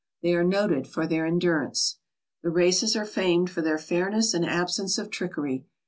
They are noted for their endurance. The races are famed for their fairness and absence of trickery.